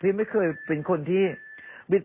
เพราะว่าตอนแรกมีการพูดถึงนิติกรคือฝ่ายกฎหมาย